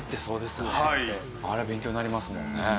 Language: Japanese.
あれは勉強になりますもんね。